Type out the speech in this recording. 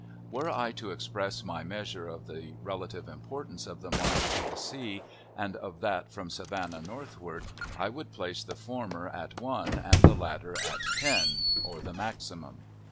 Were I to express my measure of the relative importance of the march to the sea, and of that from Savannah northward, I would place the former at one, and the latter at ten, or the maximum.